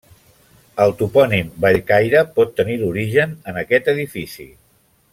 El topònim Bellcaire pot tenir l'origen en aquest edifici.